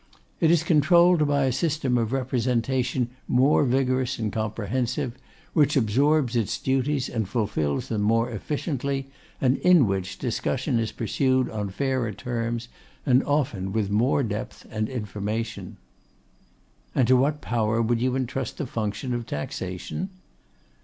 It is controlled by a system of representation more vigorous and comprehensive; which absorbs its duties and fulfils them more efficiently, and in which discussion is pursued on fairer terms, and often with more depth and information.' 'And to what power would you entrust the function of Taxation?